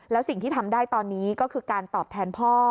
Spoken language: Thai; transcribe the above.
แล้วสิ่งที่ทำได้ตอนนี้ก็คือการตอบแทนพ่อ